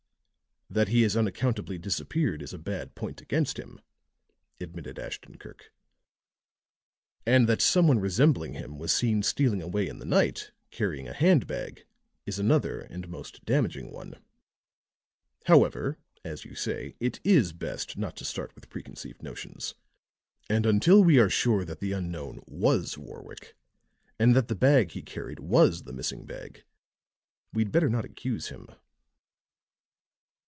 "That he has unaccountably disappeared is a bad point against him," admitted Ashton Kirk. "And that some one resembling him was seen stealing away in the night, carrying a hand bag, is another and most damaging one. However, as you say, it is best not to start with preconceived notions; and until we are sure that the unknown was Warwick, and that the bag he carried was the missing bag, we'd better not accuse him."